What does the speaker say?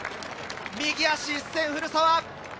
右足一閃、古澤。